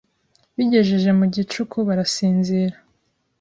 Bigejeje mu gicuku barasinzira.